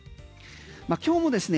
今日もですね